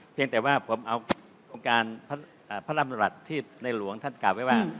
เพียงแต่ว่าผมเอาองค์การพระรำรัฐที่ในหลวงท่านกล่าวไว้ว่า